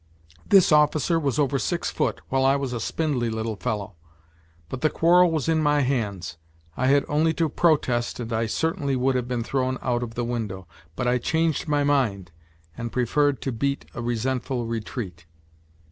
This officer was over six foot, while I was a spindly little fellow. But the quarrel was in my hands. I had only to protest and I certainly would have been thrown out of the window. But I changed my mind and preferred to beat a resentful retreat.